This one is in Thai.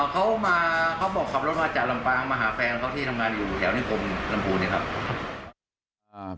เขามาเขาบอกขับรถมาจากลำปางมาหาแฟนเขาที่ทำงานอยู่แถวนิคมลำพูนนะครับ